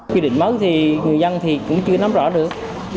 quy định mới thì người dân thì cũng chưa nắm rõ được